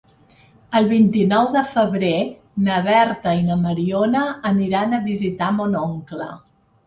El vint-i-nou de febrer na Berta i na Mariona aniran a visitar mon oncle.